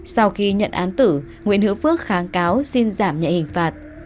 sau khi nhận án tử nguyễn hữu phước kháng cáo xin giảm nhạy hình phạt